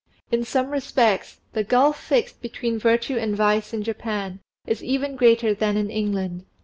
In some respects the gulf fixed between virtue and vice in Japan is even greater than in England.